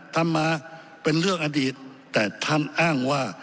ทำมาเป็นเรื่องอดีตแต่ท่านอ้างว่า